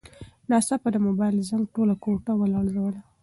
ناڅاپه د موبایل زنګ ټوله کوټه ولړزوله.